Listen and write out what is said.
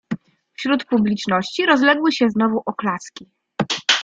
"Wśród publiczności rozległy się znowu oklaski."